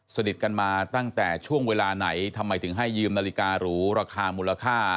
สนิทกันมาตั้งแต่ช่วงเวลาไหนทำไมถึงให้ยืมนาฬิการูราคามูลค่า